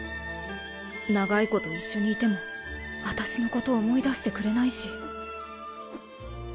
長いこと一緒にいても私のこと思い出してくれないし